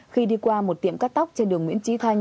khi đi qua một tiệm cắt tóc trên đường nguyễn trí thanh